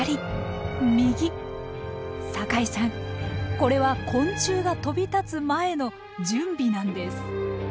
これは昆虫が飛び立つ前の準備なんです。